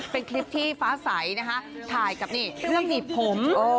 เป็นคลิปที่ฟ้าใสนะคะถ่ายกับนี่เครื่องหนีบผม